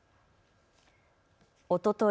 おととい